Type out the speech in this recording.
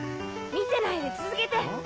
見てないで続けて！